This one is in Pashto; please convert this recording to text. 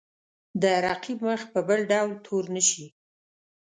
د رقیب مخ په بل ډول تور نه شي.